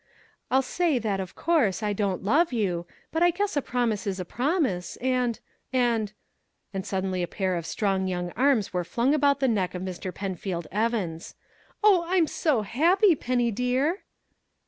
"I'll say that, of course, I don't love you, but I guess a promise is a promise and and " And suddenly a pair of strong young arms were flung about the neck of Mr. Penfield Evans. "Oh, I'm so happy, Penny dear!"